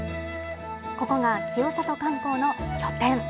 ここが清里観光の拠点。